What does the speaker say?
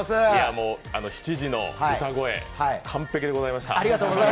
もう７時の歌声、完璧でございました。